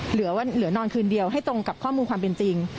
เหลือนอนคืนเดียวให้ตรงกับข้อมูลความเป็นจริง